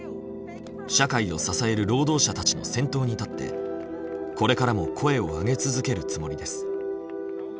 社会を支える労働者たちの先頭に立ってこれからも声を上げ続けるつもりです。